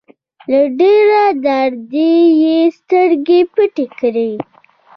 له ډېره درده يې سترګې پټې کړې.